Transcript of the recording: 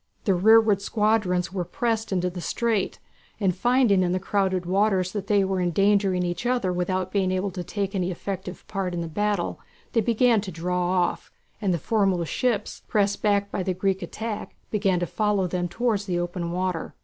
The rearward squadrons had pressed into the strait, and finding that in the crowded waters they were endangering each other without being able to take any effective part in the battle they began to draw off, and the foremost ships, pressed back by the Greek attack, began to follow them towards the open water.